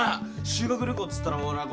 修学旅行っつったらほら